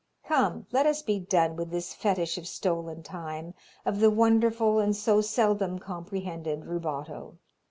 Come, let us be done with this fetish of stolen time, of the wonderful and so seldom comprehended rubato.